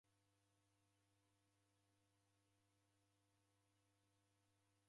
Sikunde kudeka mswara